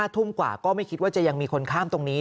ทุ่มกว่าก็ไม่คิดว่าจะยังมีคนข้ามตรงนี้